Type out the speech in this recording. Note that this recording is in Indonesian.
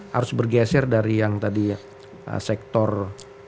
harus bergeser dari yang tadi sektor